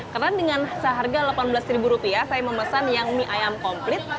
karena dengan seharga rp delapan belas saya memesan mie ayam komplit